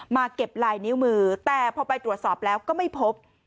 เก็บลายนิ้วมือแต่พอไปตรวจสอบแล้วก็ไม่พบ